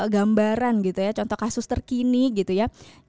gambaran gitu ya contoh kasus terkini gitu ya